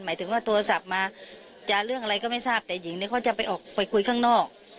หมายถึงว่าโทรศัพท์มาจะเรื่องอะไรก็ไม่ทราบแต่หญิงเนี่ยเขาจะไปออกไปคุยข้างนอก